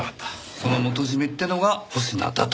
その元締ってのが保科だと？